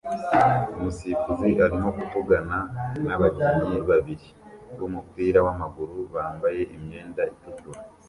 Umusifuzi arimo kuvugana nabakinnyi babiri bumupira wamaguru bambaye imyenda itukura